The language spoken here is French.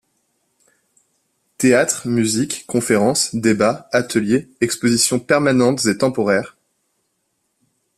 Théâtre, musique, conférences, débats, ateliers, expositions permanentes et temporaires...